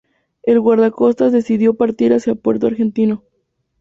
El guardacostas decidió partir hacia Puerto Argentino.